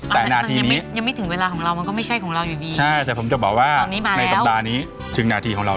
แต่นาทีนี้ยังไม่ถึงเวลาของเรา